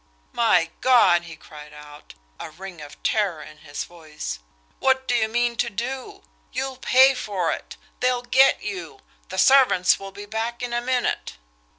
"My God!" he cried out, a ring of terror in his voice "What do you mean to do? You'll pay for it! They'll get you! The servants will be back in a minute."